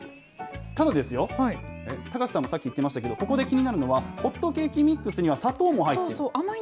ただですよ、高瀬さんもさっき言ってましたけど、ここで気になるのは、ホットケーキミックスには砂糖が入っている。